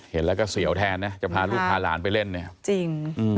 เห็นแล้วก็เสี่ยวแทนนะจะพาลูกพาหลานไปเล่น